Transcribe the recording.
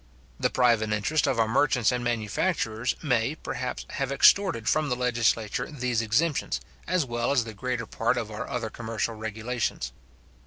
The private interest of our merchants and manufacturers may, perhaps, have extorted from the legislature these exemptions, as well as the greater part of our other commercial regulations.